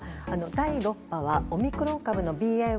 第６波はオミクロン株のＢＡ